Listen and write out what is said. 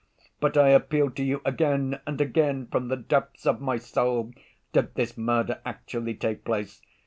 "But I appeal to you again and again from the depths of my soul; did this murder actually take place?